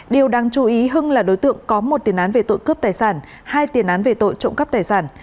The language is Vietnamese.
điều đáng chú ý hưng là đối tượng có một tiền án về tội cướp tài sản hai tiền án về tội trộm cắp tài sản